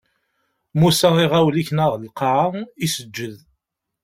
Musa iɣawel ikna ɣer lqaɛa, iseǧǧed.